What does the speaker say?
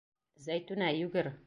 Зәйтүнә, йүгер!